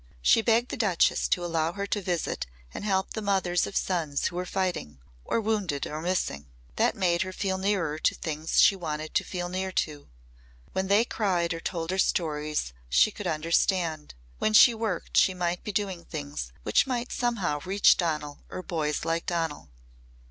She begged the Duchess to allow her to visit and help the mothers of sons who were fighting or wounded or missing. That made her feel nearer to things she wanted to feel near to. When they cried or told her stories, she could understand. When she worked she might be doing things which might somehow reach Donal or boys like Donal.